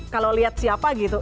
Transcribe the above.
kalau lihat siapa gitu